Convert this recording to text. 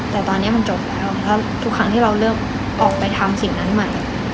แต่ตอนนี้มันจบแล้วถ้าทุกครั้งที่เราเลือกออกไปทำสิ่งนั้นใหม่